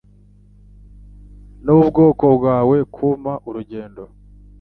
Nubwoko bwawe kumpa urugendo.